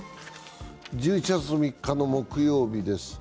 １１月３日の木曜日です。